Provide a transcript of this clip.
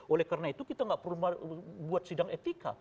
oleh karena itu kita tidak perlu membuat sidang etika